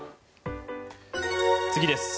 次です。